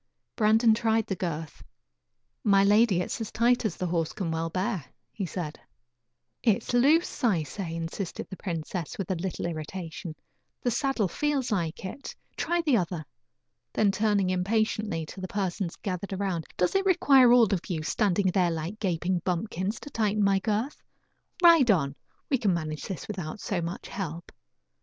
Brandon tried the girth. "My lady, it is as tight as the horse can well bear," he said. "It is loose, I say," insisted the princess, with a little irritation; "the saddle feels like it. Try the other." Then turning impatiently to the persons gathered around: "Does it require all of you, standing there like gaping bumpkins, to tighten my girth? Ride on; we can manage this without so much help."